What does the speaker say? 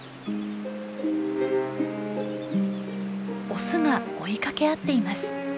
オスが追いかけ合っています。